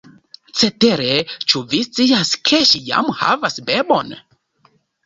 Cetere, ĉu vi scias, ke ŝi jam havas bebon?